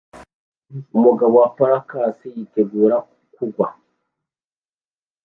Umugabo waparakasi yitegura kugwa